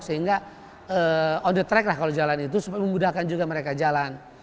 sehingga on the track lah kalau jalan itu memudahkan juga mereka jalan